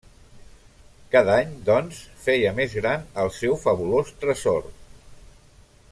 Cada any, doncs, feia més gran el seu fabulós tresor.